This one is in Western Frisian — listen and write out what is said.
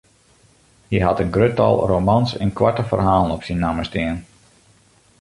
Hy hat in grut tal romans en koarte ferhalen op syn namme stean.